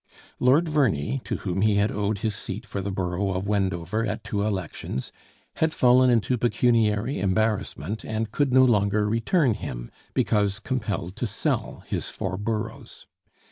Lord Verney, to whom he had owed his seat for the borough of Wendover at two elections, had fallen into pecuniary embarrassment and could no longer return him, because compelled to sell his four boroughs.